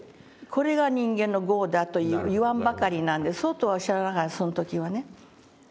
これが人間の業だと言わんばかりなんでそうとは知らないからその時はね。